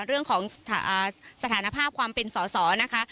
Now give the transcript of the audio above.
เรื่องของสถานภาพความเป็นสอสอนะคะ